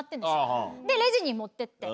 でレジに持ってって。